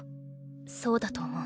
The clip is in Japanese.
そうだと思う。